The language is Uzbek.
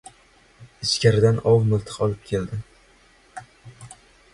Ichkaridan ov miltig‘ini olib keldi.